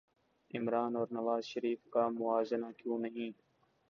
عمرا ن اور نواز شریف کا موازنہ کیوں نہیں